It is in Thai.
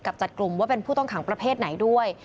จัดกลุ่มว่าเป็นผู้ต้องขังประเภทไหนด้วย